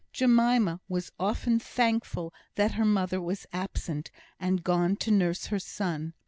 Jemima was often thankful that her mother was absent, and gone to nurse her son.